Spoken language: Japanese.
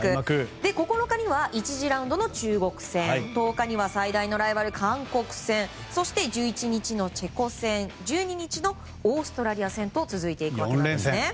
９日には１次ラウンドの中国戦１０日には最大のライバル韓国戦そして１１日のチェコ戦１２日のオーストラリア戦と続いていきます。